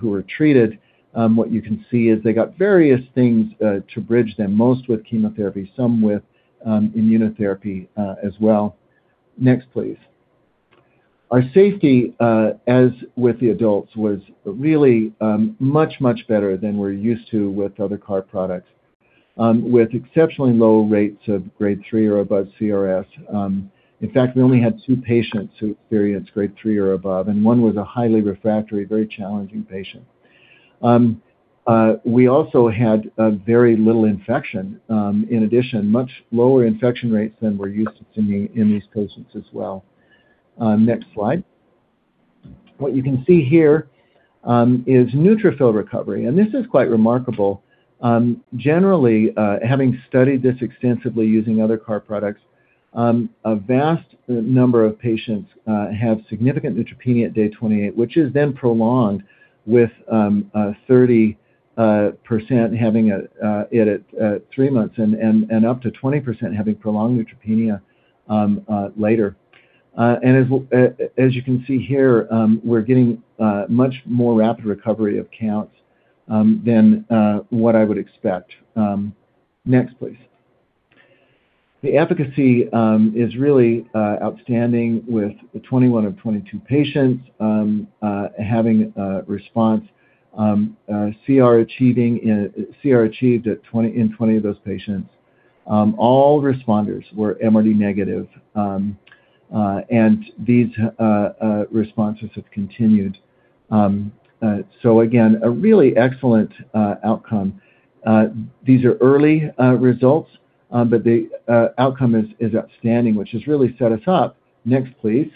who were treated, what you can see is they got various things to bridge them, most with chemotherapy, some with immunotherapy as well. Next, please. Our safety, as with the adults, was really much, much better than we're used to with other CAR T products, with exceptionally low rates of Grade three or above CRS. In fact, we only had two patients who experienced Grade three or above, and one was a highly refractory, very challenging patient. We also had very little infection, in addition, much lower infection rates than we're used to seeing in these patients as well. Next slide. What you can see here is neutrophil recovery, and this is quite remarkable. Generally, having studied this extensively using other CAR products, a vast number of patients have significant neutropenia at day 28, which is then prolonged, with 30% having it at three months and up to 20% having prolonged neutropenia later. As you can see here, we're getting much more rapid recovery of counts than what I would expect. Next, please. The efficacy is really outstanding with 21 of 22 patients having a response, CR achieved in 20 of those patients. All responders were MRD negative, and these responses have continued. Again, a really excellent outcome. These are early results, but the outcome is outstanding, which has really set us up, next please,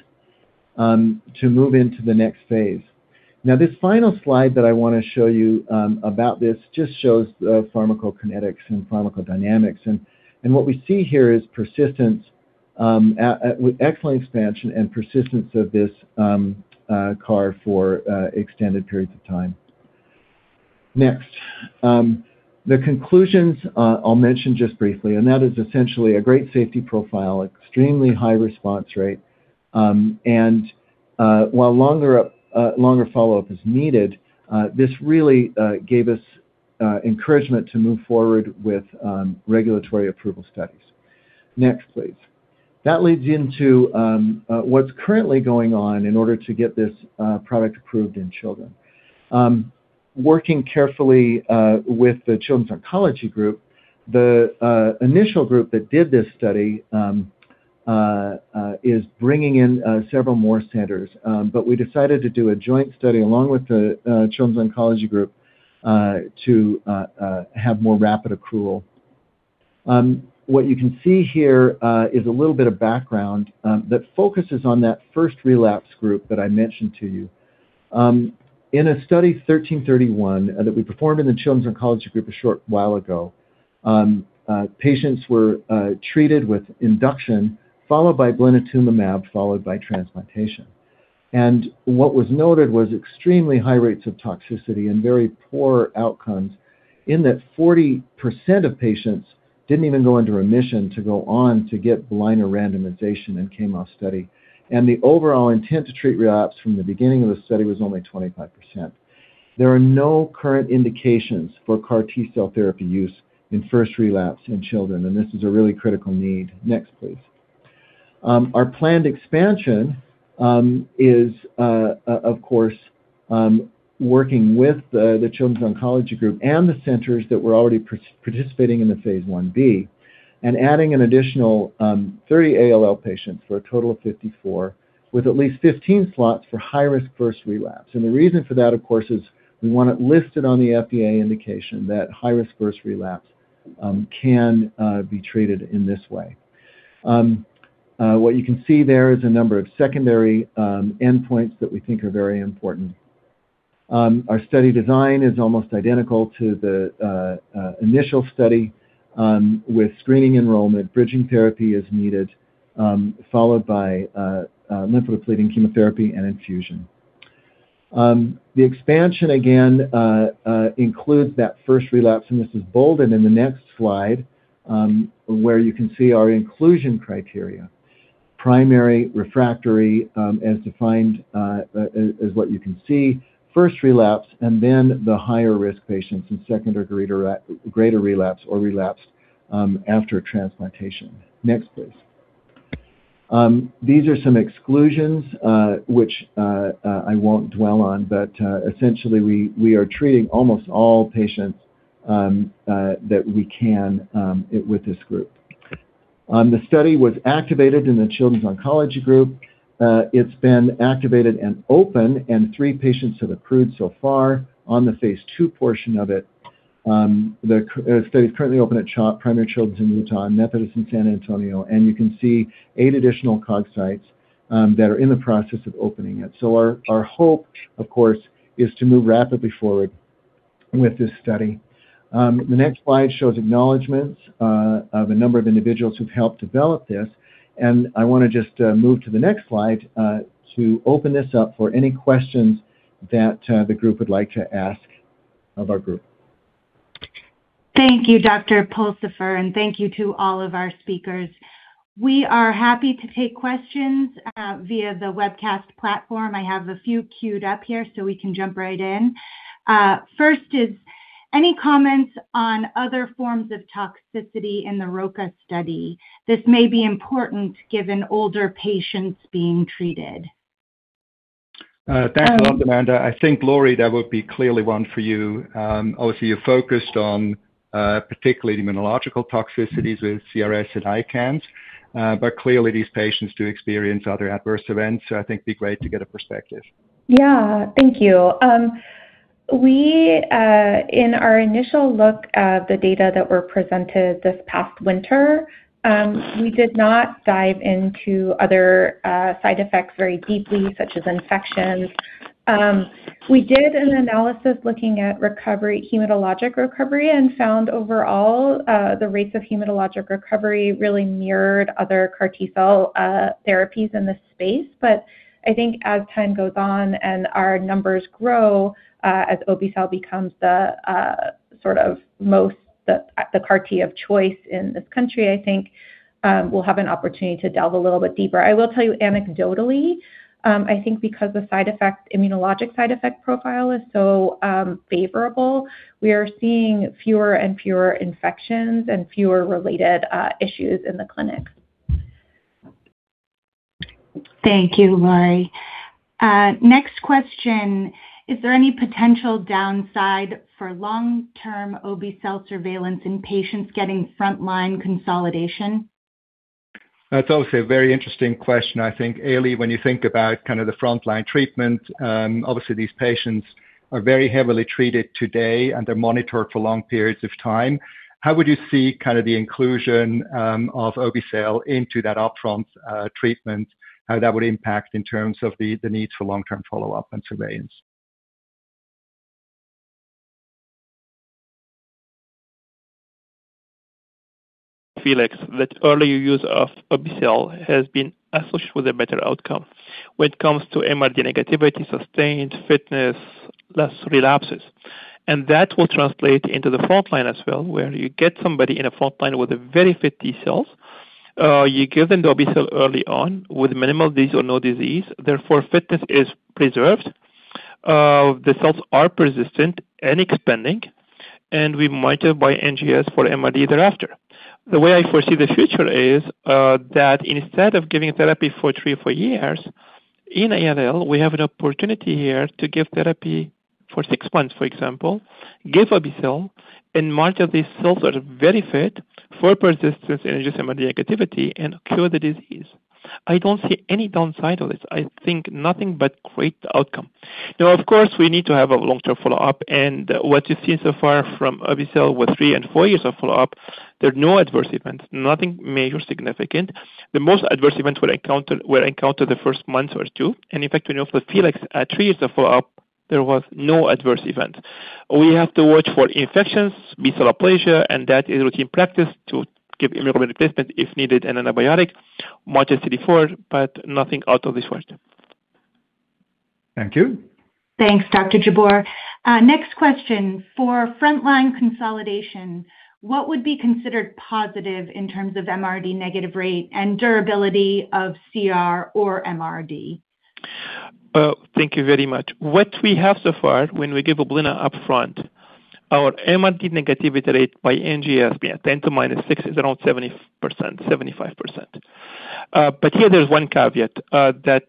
to move into the next phase. Now, this final slide that I want to show you about this just shows the pharmacokinetics and pharmacodynamics, and what we see here is with excellent expansion and persistence of this CAR for extended periods of time. Next. The conclusions I'll mention just briefly, and that is essentially a great safety profile, extremely high response rate, and while longer follow-up is needed, this really gave us encouragement to move forward with regulatory approval studies. Next, please. That leads into what's currently going on in order to get this product approved in children. Working carefully with the Children's Oncology Group, the initial group that did this study is bringing in several more centers. We decided to do a joint study along with the Children's Oncology Group to have more rapid accrual. What you can see here is a little bit of background that focuses on that first relapse group that I mentioned to you. In a study, 1331, that we performed in the Children's Oncology Group a short while ago, patients were treated with induction followed by blinatumomab, followed by transplantation. What was noted was extremely high rates of toxicity and very poor outcomes in that 40% of patients didn't even go into remission to go on to get Blina randomization and chemo study. The overall intent to treat relapse from the beginning of the study was only 25%. There are no current indications for CAR T-cell therapy use in first relapse in children, and this is a really critical need. Next, please. Our planned expansion is, of course, working with the Children's Oncology Group and the centers that were already participating in the phase I-B and adding an additional 30 ALL patients for a total of 54, with at least 15 slots for high-risk first relapse. The reason for that, of course, is we want it listed on the FDA indication that high-risk first relapse can be treated in this way. What you can see there is a number of secondary endpoints that we think are very important. Our study design is almost identical to the initial study with screening enrollment, bridging therapy is needed, followed by lymphodepleting chemotherapy and infusion. The expansion again includes that first relapse, and this is bolded in the next slide, where you can see our inclusion criteria. Primary refractory, as defined, is what you can see, first relapse, and then the higher risk patients in second or greater relapse or relapse after transplantation. Next, please. These are some exclusions which I won't dwell on, but essentially we are treating almost all patients that we can with this group. The study was activated in the Children's Oncology Group. It's been activated and open, and three patients have accrued so far on the phase II portion of it. The study's currently open at CHOP, Primary Children's in Utah, and Methodist in San Antonio, and you can see eight additional COG sites that are in the process of opening it. Our hope, of course, is to move rapidly forward with this study. The next slide shows acknowledgments of a number of individuals who've helped develop this, and I want to just move to the next slide to open this up for any questions that the group would like to ask of our group. Thank you, Dr. Pulsipher, and thank you to all of our speakers. We are happy to take questions via the webcast platform. I have a few queued up here so we can jump right in. First is: Any comments on other forms of toxicity in the RoCo study? This may be important given older patients being treated. Thanks a lot, Amanda. I think, Lori, that would be clearly one for you. Obviously, you're focused on particularly the immunological toxicities with CRS and ICANS, but clearly these patients do experience other adverse events. I think it'd be great to get a perspective. Yeah. Thank you. In our initial look at the data that were presented this past winter, we did not dive into other side effects very deeply, such as infections. We did an analysis looking at hematologic recovery and found overall, the rates of hematologic recovery really mirrored other CAR T-cell therapies in this space. I think as time goes on and our numbers grow, as obe-cel becomes the sort of the CAR T of choice in this country, I think, we'll have an opportunity to delve a little bit deeper. I will tell you anecdotally, I think because the immunologic side effect profile is so favorable, we are seeing fewer and fewer infections and fewer related issues in the clinic. Thank you, Lori. Next question. Is there any potential downside for long-term obe-cel surveillance in patients getting frontline consolidation? That's also a very interesting question. I think, Eli, when you think about kind of the frontline treatment, obviously these patients are very heavily treated today, and they're monitored for long periods of time. How would you see kind of the inclusion of obe-cel into that upfront treatment, how that would impact in terms of the needs for long-term follow-up and surveillance? FELIX, that earlier use of obe-cel has been associated with a better outcome when it comes to MRD negativity, sustained fitness, less relapses. That will translate into the frontline as well, where you get somebody in a frontline with very fit T-cells. You give them the obe-cel early on with minimal disease or no disease, therefore fitness is preserved. The cells are persistent and expanding, and we monitor by NGS for MRD thereafter. The way I foresee the future is that instead of giving therapy for three or four years, in ALL, we have an opportunity here to give therapy for six months, for example, give obe-cel and monitor these cells that are very fit for persistence in MRD negativity and cure the disease. I don't see any downside of this. I think nothing but great outcome. Now, of course, we need to have a long-term follow-up, and what you've seen so far from obe-cel with three and four years of follow-up, there are no adverse events, nothing major significant. The most adverse events were encountered the first month or two, and in fact, we know for FELIX at three years of follow-up, there was no adverse event. We have to watch for infections, B-cell aplasia, and that is routine practice to give immunoglobulin replacement if needed, and antibiotic, much as before, but nothing out of this world. Thank you. Thanks, Dr. Jabbour. Next question. For frontline consolidation, what would be considered positive in terms of MRD negative rate and durability of CR or MRD? Thank you very much. What we have so far when we give blinatumomab upfront, our MRD negativity rate by NGSP at 10 to minus 6 is around 70%, 75%. Here there's one caveat, that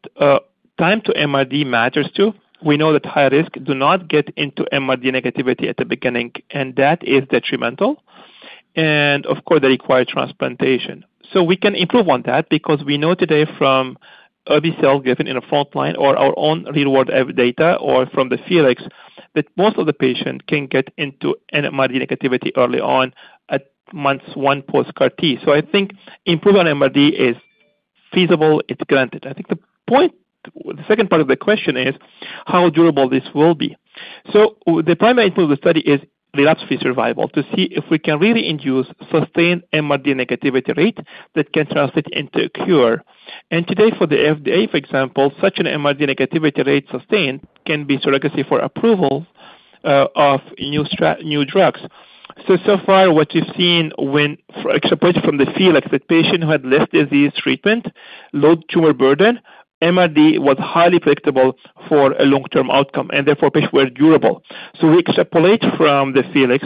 time to MRD matters, too. We know that high risk do not get into MRD negativity at the beginning, and that is detrimental. Of course, they require transplantation. We can improve on that because we know today from obe-cel given in a frontline or our own real-world evidence data or from the FELIX, that most of the patients can get into an MRD negativity early on at month one post-CAR T. I think improvement MRD is feasible. It's granted. I think the second part of the question is how durable this will be. The primary tool of the study is relapse-free survival to see if we can really induce sustained MRD negativity rate that can translate into a cure. Today for the FDA, for example, such an MRD negativity rate sustained can be surrogate for approval of new drugs. So far what you've seen when, separate from the FELIX, the patient who had less disease treatment, low tumor burden, MRD was highly predictable for a long-term outcome and therefore patient were durable. We extrapolate from the FELIX,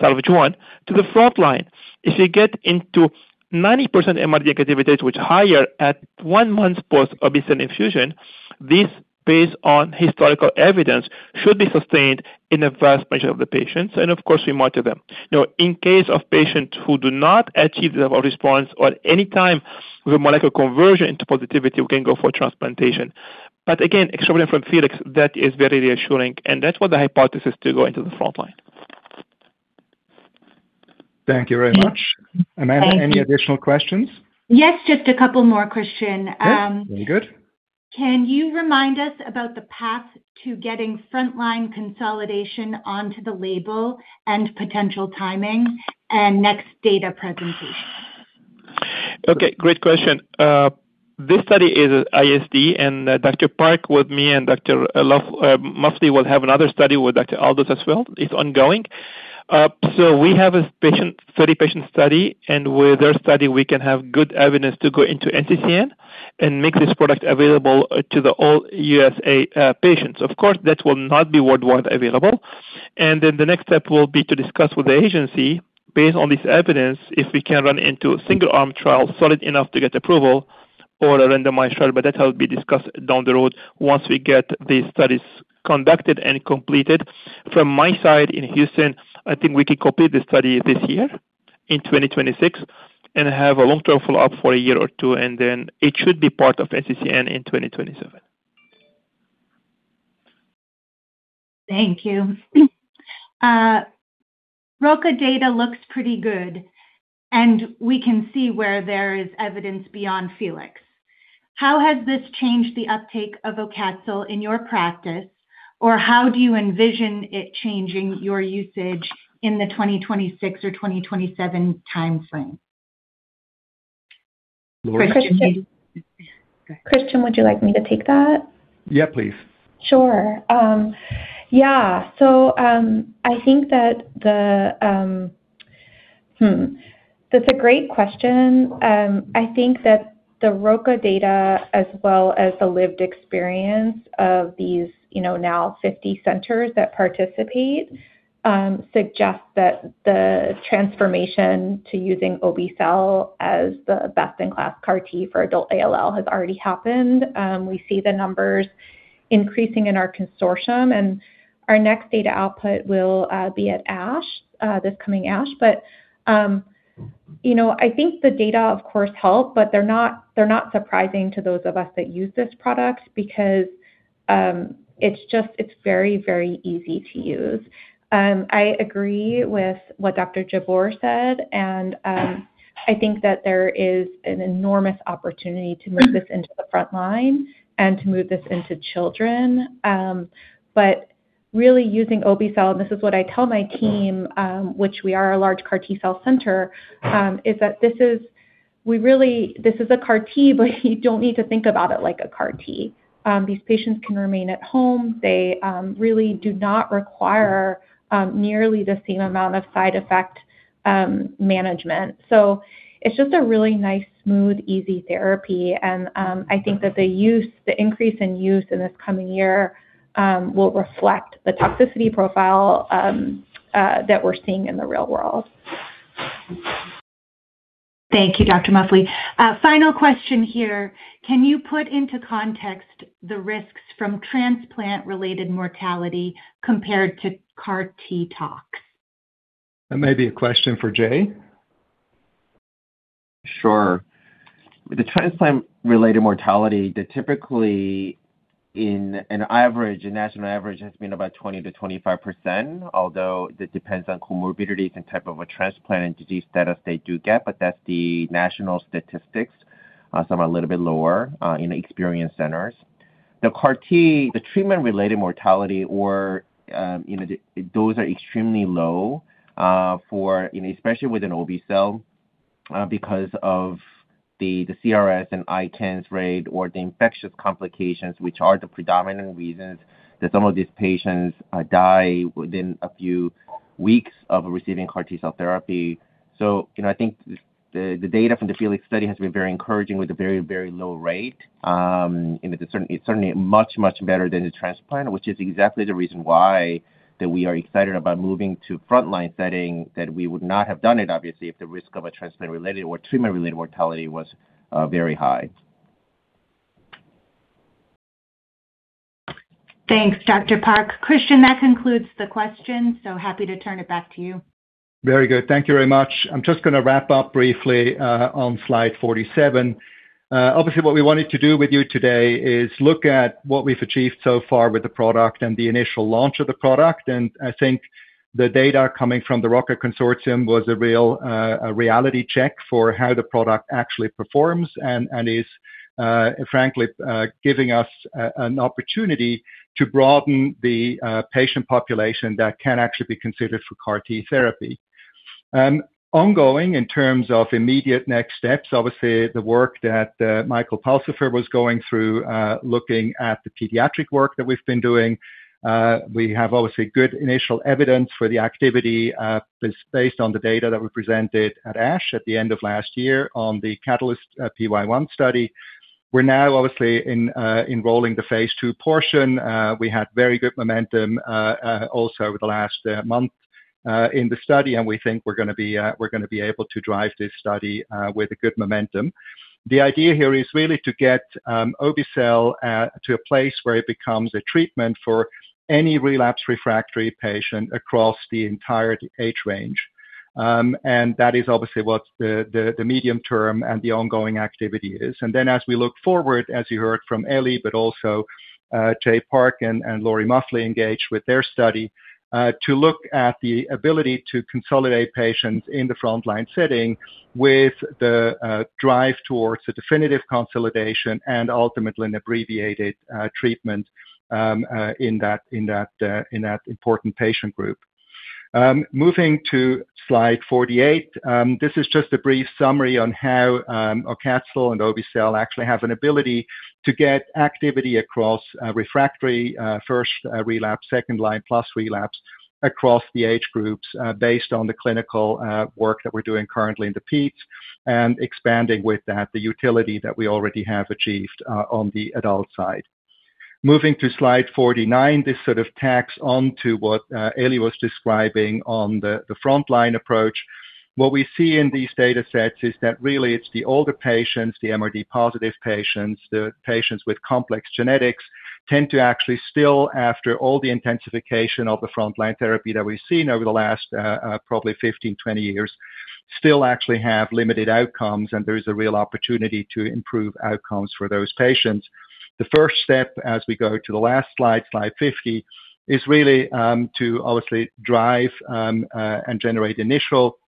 salvage one, to the frontline. If you get into 90% MRD negativity, which higher at one month post obe-cel infusion, this based on historical evidence, should be sustained in a vast majority of the patients, and of course, we monitor them. Now, in case of patients who do not achieve the level of response or any time with a molecular conversion into positivity, we can go for transplantation. Again, extrapolating from FELIX, that is very reassuring, and that's what the hypothesis to go into the frontline. Thank you very much. Thank you. Amanda, any additional questions? Yes, just a couple more, Christian. Yes. Very good. Can you remind us about the path to getting frontline consolidation onto the label and potential timing and next data presentation? Okay, great question. This study is ISD and Dr. Park with me and Dr. Muffly will have another study with Dr. Aldoss as well, is ongoing. We have a 30-patient study, and with their study, we can have good evidence to go into NCCN and make this product available to all U.S. patients. Of course, that will not be worldwide available. The next step will be to discuss with the agency, based on this evidence, if we can run into a single-arm trial solid enough to get approval or a randomized trial, but that will be discussed down the road once we get the studies conducted and completed. From my side in Houston, I think we can complete the study this year, in 2026, and have a long-term follow-up for a year or two, and then it should be part of NCCN in 2027. Thank you. RoCo data looks pretty good, and we can see where there is evidence beyond FELIX. How has this changed the uptake of obe-cel in your practice, or how do you envision it changing your usage in the 2026 or 2027 timeframe? Lori, can you- Christian, would you like me to take that? Yeah, please. Sure. Yeah. I think that's a great question. I think that the RoCo data as well as the lived experience of these now 50 centers that participate, suggest that the transformation to using obe-cel as the best-in-class CAR T for adult ALL has already happened. We see the numbers increasing in our consortium, and our next data output will be at this coming ASH. I think the data, of course, help, but they're not surprising to those of us that use this product because it's very, very easy to use. I agree with what Dr. Jabbour said, and I think that there is an enormous opportunity to move this into the front line and to move this into children. Really using obe-cel, and this is what I tell my team, which we are a large CAR T-cell center, is that this is a CAR T, but you don't need to think about it like a CAR T. These patients can remain at home. They really do not require nearly the same amount of side effect management. It's just a really nice, smooth, easy therapy, and I think that the increase in use in this coming year will reflect the toxicity profile that we're seeing in the real world. Thank you, Dr. Muffly. Final question here. Can you put into context the risks from transplant-related mortality compared to CAR T tox? That may be a question for Jae. Sure. The transplant-related mortality, typically in a national average, has been about 20%-25%, although that depends on comorbidities and type of a transplant and disease status they do get, but that's the national statistics. Some are a little bit lower in experienced centers. The CAR T, the treatment-related mortality or, those are extremely low, especially with an obe-cel, because of the CRS and ICANS rate or the infectious complications, which are the predominant reasons that some of these patients die within a few weeks of receiving CAR T-cell therapy. I think the data from the FELIX study has been very encouraging with a very, very low rate. It's certainly much, much better than a transplant, which is exactly the reason why that we are excited about moving to frontline setting that we would not have done it, obviously, if the risk of a transplant-related or treatment-related mortality was very high. Thanks, Dr. Park. Christian, that concludes the questions, so happy to turn it back to you. Very good. Thank you very much. I'm just going to wrap up briefly on slide 47. Obviously, what we wanted to do with you today is look at what we've achieved so far with the product and the initial launch of the product. I think the data coming from the RoCo consortium was a real reality check for how the product actually performs and is frankly giving us an opportunity to broaden the patient population that can actually be considered for CAR T therapy. Ongoing, in terms of immediate next steps, obviously, the work that Michael Pulsipher was going through, looking at the pediatric work that we've been doing. We have, obviously, good initial evidence for the activity based on the data that we presented at ASH at the end of last year on the CATALYST-py1 study. We're now obviously enrolling the phase II portion. We had very good momentum also over the last month in the study, and we think we're going to be able to drive this study with a good momentum. The idea here is really to get obe-cel to a place where it becomes a treatment for any relapsed refractory patient across the entire age range. That is obviously what the medium term and the ongoing activity is. As we look forward, as you heard from Eli, but also Jae Park and Lori Muffly engaged with their study, to look at the ability to consolidate patients in the frontline setting with the drive towards a definitive consolidation and ultimately an abbreviated treatment in that important patient group. Moving to slide 48. This is just a brief summary on how obe-cel and obe-cel actually have an ability to get activity across refractory first-relapse, second-line, plus relapse across the age groups based on the clinical work that we're doing currently in the peds, and expanding with that, the utility that we already have achieved on the adult side. Moving to slide 49, this sort of tacks on to what Eli was describing on the frontline approach. What we see in these data sets is that really it's the older patients, the MRD positive patients, the patients with complex genetics, tend to actually still, after all the intensification of the frontline therapy that we've seen over the last probably 15, 20 years, still actually have limited outcomes, and there is a real opportunity to improve outcomes for those patients. The first step as we go to the last slide 50, is really to obviously drive and generate initial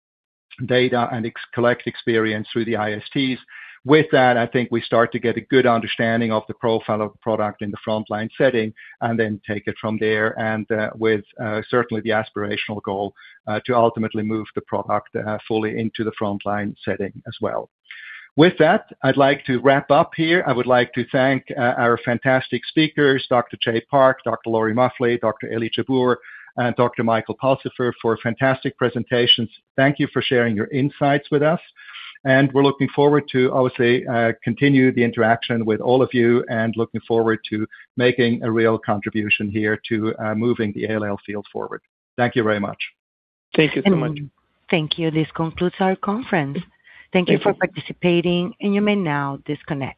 data and collect experience through the ISTs. With that, I think we start to get a good understanding of the profile of the product in the frontline setting and then take it from there and with certainly the aspirational goal to ultimately move the product fully into the frontline setting as well. With that, I'd like to wrap up here. I would like to thank our fantastic speakers, Dr. Jae Park, Dr. Lori Muffly, Dr. Eli Jabbour, and Dr. Michael Pulsipher, for fantastic presentations. Thank you for sharing your insights with us. We're looking forward to obviously continue the interaction with all of you and looking forward to making a real contribution here to moving the ALL field forward. Thank you very much. Thank you so much. Thank you. This concludes our conference. Thank you for participating, and you may now disconnect.